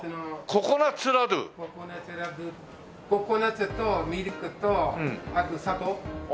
ココナッツとミルクとあと砂糖だけで。